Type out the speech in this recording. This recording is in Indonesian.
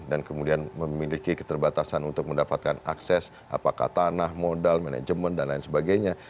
dan kemudian memiliki keterbatasan untuk mendapatkan akses apakah tanah modal manajemen dan lain sebagainya